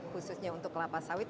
khususnya untuk kelapa sawit